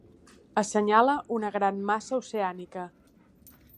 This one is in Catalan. Assenyala una gran massa oceànica.